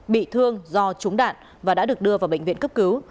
bị thương do trúng đạn và đã được đưa vào bệnh viện cấp cứu